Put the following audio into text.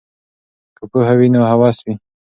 که پوهه وي نو هوس وي.